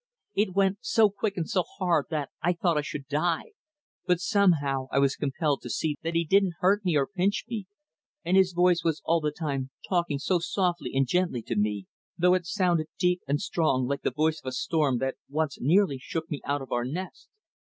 It went so quick and so hard that I thought I should die; but somehow I was compelled to see that he didn't hurt me or pinch me, and his voice was all the time talking so softly and gently to me, though it sounded deep and strong like the voice of a storm that once nearly shook me out of our nest.